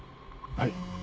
はい。